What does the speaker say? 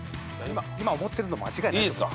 今思ってるの間違いないっす。